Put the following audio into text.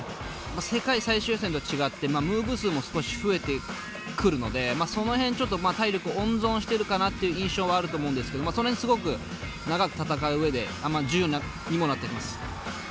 世界最終予選と違ってムーブ数も少し増えてくるのでその辺ちょっと体力を温存してるかなっていう印象はあると思うんですけどその辺すごく長く戦う上で重要にもなってきます。